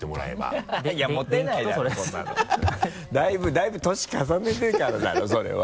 だいぶ年重ねてからだろそれは。